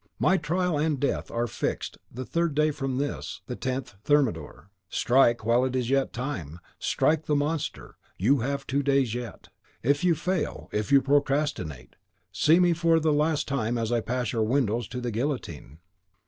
My trial and death are fixed the third day from this, the 10th Thermidor. Strike while it is yet time, strike the monster! you have two days yet. If you fail, if you procrastinate, see me for the last time as I pass your windows to the guillotine!"